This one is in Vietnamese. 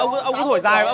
ông cứ ngậm hẳn vào